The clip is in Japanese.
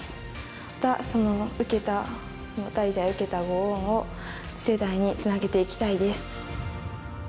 また受けたその代々受けたご恩を次世代につなげていきたいです。